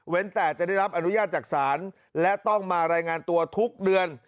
แต่จะได้รับอนุญาตจากศาลและต้องมารายงานตัวทุกเดือน